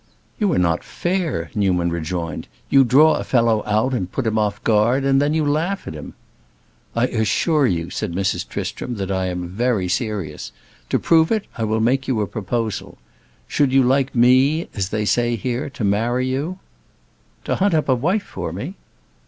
"You are not fair." Newman rejoined. "You draw a fellow out and put him off guard, and then you laugh at him." "I assure you," said Mrs. Tristram, "that I am very serious. To prove it, I will make you a proposal. Should you like me, as they say here, to marry you?" "To hunt up a wife for me?"